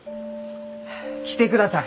来てください。